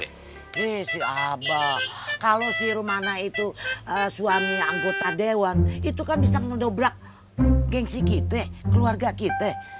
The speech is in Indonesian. eh si abah kalo si rumana itu suami anggota dewan itu kan bisa ngedobrak gengsi kita keluarga kita